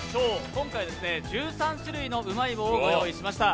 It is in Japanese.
今回１３種類のうまい棒をご用意しました。